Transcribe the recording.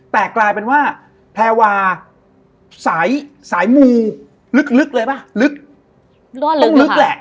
แต่กลายเป็นว่าแพรวาสายสายมูลึกเลยป่ะลึกต้องลึกแหละ